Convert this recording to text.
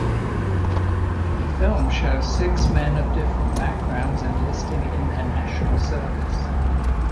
The film shows six men of different backgrounds enlisting in their National Service.